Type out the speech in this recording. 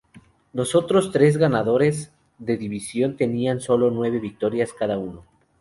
Los otros tres ganadores de división tenían sólo nueve victorias cada uno.